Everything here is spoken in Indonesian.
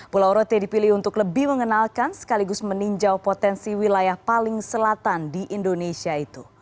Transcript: pulau rote dipilih untuk lebih mengenalkan sekaligus meninjau potensi wilayah paling selatan di indonesia itu